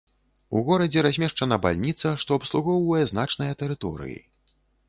У горадзе размешчана бальніца, што абслугоўвае значныя тэрыторыі.